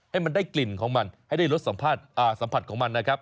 ให้มันได้กลิ่นของมันให้ได้สัมผัสของมันนะครับ